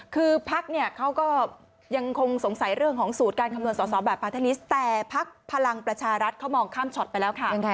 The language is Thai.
คือพักเนี่ยเขาก็ยังคงสงสัยเรื่องของสูตรการคำนวณสอสอแบบพาเทนนิสแต่พักพลังประชารัฐเขามองข้ามช็อตไปแล้วค่ะ